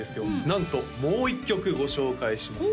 なんともう一曲ご紹介します